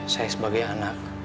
saya sebagai anak